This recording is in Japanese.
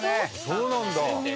そうなんだ。